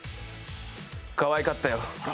かわいかったよ。